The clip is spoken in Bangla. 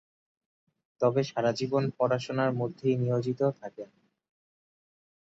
তবে সারাজীবন পড়াশোনার মধ্যেই নিয়োজিত থাকেন।